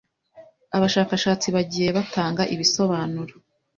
abashakashatsi bagiye batanga ibisobanuro